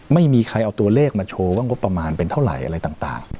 ไม่มีใครเอาตัวเลขมาโชว์ว่างบประมาณเป็นเท่าไหร่อะไรต่าง